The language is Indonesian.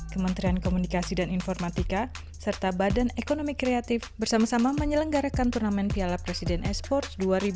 kementerian komunikasi dan informatika serta badan ekonomi kreatif bersama sama menyelenggarakan piala presiden e sport dua ribu sembilan belas